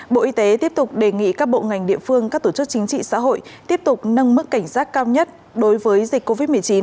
bộ y tế tiếp tục đề nghị các bộ ngành địa phương các tổ chức chính trị xã hội tiếp tục nâng mức cảnh giác cao nhất đối với dịch covid một mươi chín